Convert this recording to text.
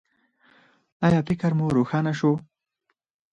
ایا فکر مو روښانه شو؟